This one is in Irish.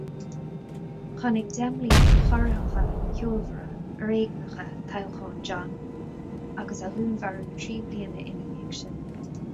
Chonaic deich mbliana chorraitheacha, cheolmhara, fhoréigneacha toghchán John agus a dhúnmharú trí bliana ina dhiaidh sin.